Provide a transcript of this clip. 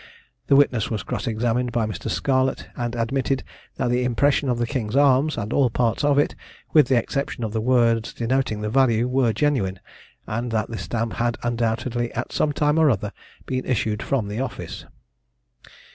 The witness was cross examined by Mr. Scarlett, and admitted that the impression of the King's arms, and all parts of it, with the exception of the words denoting the value, were genuine; and that the stamp had undoubtedly at some time or other been issued from the office.